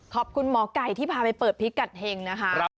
ขอบคุณหมอไก่ที่พาไปเปิดพิกัดเห็งนะคะ